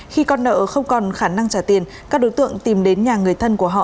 khi con nợ không còn khả năng trả tiền các đối tượng tìm đến nhà người thân của họ